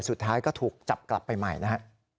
สุดท้ายก็ถูกจับกลับไปใหม่นะฮะ